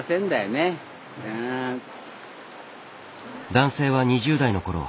男性は２０代のころ